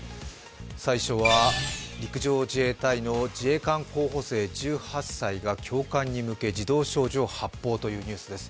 最初は陸上自衛隊の自衛官候補生１８歳が教官に向け自動小銃を発砲というニュースです。